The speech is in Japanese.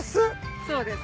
そうです。